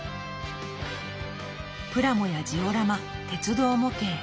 プラモやジオラマ鉄道模型。